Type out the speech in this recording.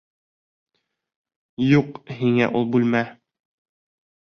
Юҡ һиңә ул бүлмә!